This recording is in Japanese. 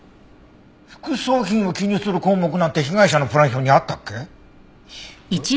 副葬品を記入する項目なんて被害者のプラン表にあったっけ？